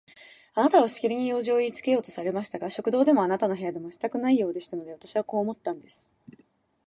あなたはしきりに用事をいいつけようとされましたが、食堂でもあなたの部屋でもしたくないようでしたので、私はこう思ったんです。